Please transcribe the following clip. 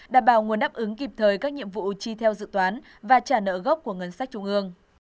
đảm bảo nguồn đáp ứng kịp thời các nhiệm vụ chi theo dự toán và trả nợ gốc của ngân sách trung ương